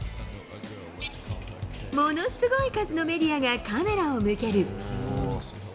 ものすごい数のメディアがカメラを向ける。